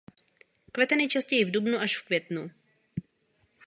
Kvete nejčastěji v dubnu až v květnu.